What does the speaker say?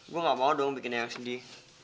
gue gak mau dong bikin eyang sendiri